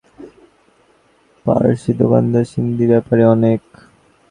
পারসী দোকানদার, সিদ্ধি ব্যাপারী অনেক।